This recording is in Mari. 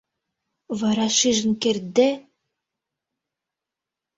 Вара шижын кертде...